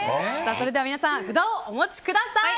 それでは札をお持ちください。